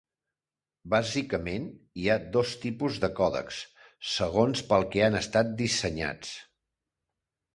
Bàsicament hi ha dos tipus de còdecs, segons pel que han estat dissenyats.